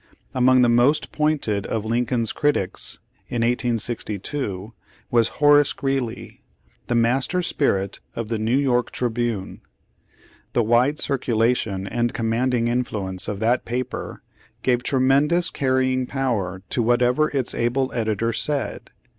Among the most pointed of Lincoln's critics in 1862 was Horace Greeley, the master spirit of the New York Tribune. The wide circulation and com manding influence of that paper, gave tremendous carrying power to whatever its able editor said.